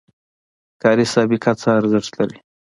کاري سابقه څه ارزښت لري؟